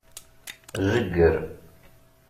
Jegger.